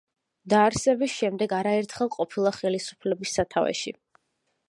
დაარსების შემდეგ არაერთხელ ყოფილა ხელისუფლების სათავეში.